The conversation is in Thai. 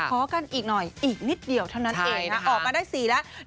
ขอกันอีกหน่อยอีกนิดเดียวเท่านั้นเองนะออกมาได้๔แล้ว